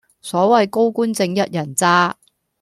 所謂高官正一人渣